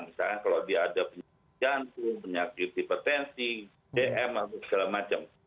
misalnya kalau dia ada penyakit jantung penyakit hipertensi dm atau segala macam